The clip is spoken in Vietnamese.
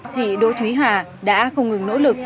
chị đỗ thúy hà đã không ngừng nỗ lực